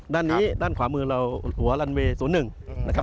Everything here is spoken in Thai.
ด้านนี้ด้านขวามือเราหัวลันเวย์๐๑นะครับ